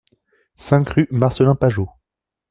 cinq rue Marcellin Pajot